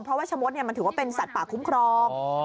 เพราะว่าชะมดมันถือว่าเป็นสัตว์ป่าคุ้มครอง